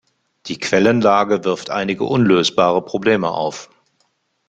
Die Quellenlage wirft einige unlösbare Probleme auf.